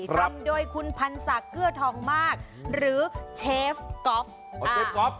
ครับทำโดยคุณพันษะเกื้อทองมากหรือเชฟก๊อฟอ๋อเชฟก๊อฟ